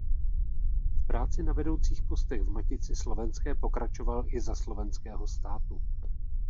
V práci na vedoucích postech v Matici slovenské pokračoval i za Slovenského státu.